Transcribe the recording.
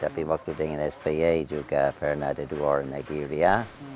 tapi waktu dengan sba juga pernah diduorin lagi ya